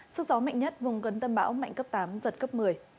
sức gió mạnh nhất vùng gần tâm bão mạnh cấp tám giật cấp một mươi